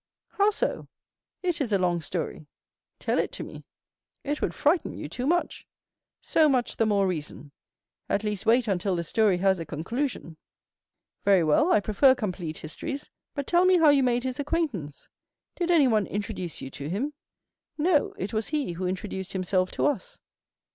"How so?" "It is a long story." "Tell it to me." "It would frighten you too much." "So much the more reason." "At least wait until the story has a conclusion." "Very well; I prefer complete histories; but tell me how you made his acquaintance? Did anyone introduce you to him?" "No; it was he who introduced himself to us."